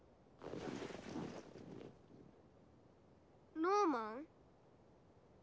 ノーマン？